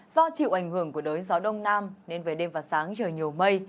do chịu ảnh hưởng của đới gió đông nam nên về đêm và sáng trời nhiều mây